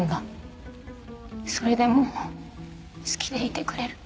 それでも好きでいてくれる？